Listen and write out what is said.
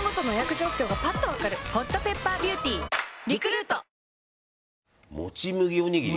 ニトリもち麦おにぎり。